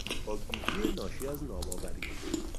با گیجی ناشی از ناباوری